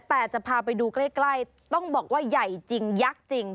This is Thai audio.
แต่จะพาไปดูใกล้ต้องบอกว่าใหญ่จริงยักษ์จริง